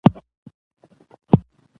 احمدشاه بابا د خپلواکی مفکوره پیاوړې کړه.